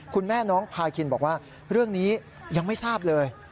คุณแม่น้องพาคินบอกว่าเรื่องนี้ยังไม่ทราบเลย